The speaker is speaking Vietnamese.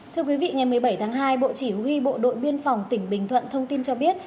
thưa quý vị ngày một mươi bảy tháng hai bộ chỉ huy bộ đội biên phòng tỉnh bình thuận thông tin cho biết